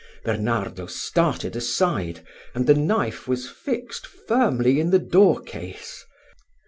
Bernardo started aside, and the knife was fixed firmly in the doorcase.